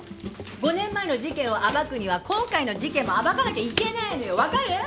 ５年前の事件を暴くには今回の事件も暴かなきゃいけないのよわかる？